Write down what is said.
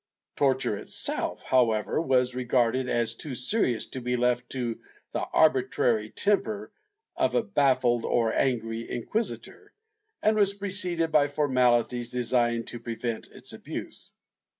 Torture itself, however, was regarded as too serious to be left to the arbitrary temper of a baffled or angry inquisitor, and was preceded by formalities designed to prevent its abuse.